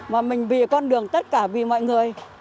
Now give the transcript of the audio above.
mà mình vì con đường tất cả vì mọi người